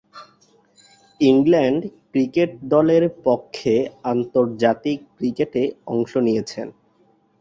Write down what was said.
England cricket দলের পক্ষে আন্তর্জাতিক ক্রিকেটে অংশ নিয়েছেন।